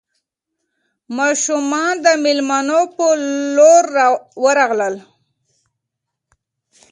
ماشومان د مېلمنو په لور ورغلل.